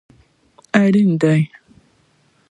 اړین دي